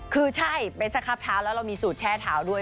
คือใช่เบสครับเท้าแล้วเรามีสูตรแช่เท้าด้วย